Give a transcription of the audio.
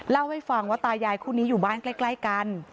เล่าให้ฟังว่าตายายคู่นี้อยู่บ้านใกล้กัน